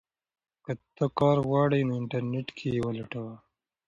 که ته کار غواړې نو انټرنیټ کې یې ولټوه.